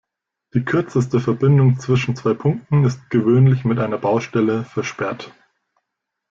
Die kürzeste Verbindung zwischen zwei Punkten, ist gewöhnlich mit einer Baustelle versperrt.